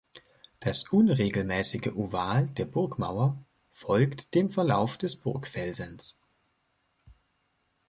Das unregelmäßige Oval der Burgmauer folgt dem Verlauf des Burgfelsens.